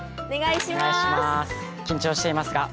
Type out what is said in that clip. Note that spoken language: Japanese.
お願いします！